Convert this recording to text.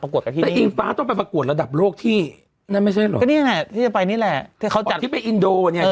เออประเทศโฮดไปนี่เป็นอินโด